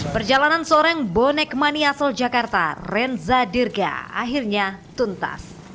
perjalanan seorang bonek mani asal jakarta renza dirga akhirnya tuntas